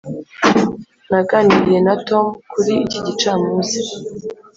naganiriye na tom kuri iki gicamunsi.